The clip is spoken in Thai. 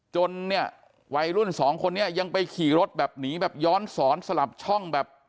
จนเนี่ยวัยรุ่นสองคนนี้ยังไปขี่รถแบบหนีแบบย้อนสอนสลับช่องแบบ